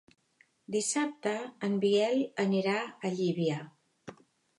Dissabte en Biel anirà a Llívia.